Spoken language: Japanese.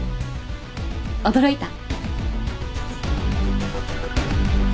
驚いた？